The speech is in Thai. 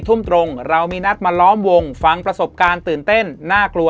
ทุ่มตรงเรามีนัดมาล้อมวงฟังประสบการณ์ตื่นเต้นน่ากลัว